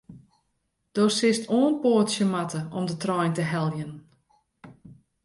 Do silst oanpoatsje moatte om de trein te heljen.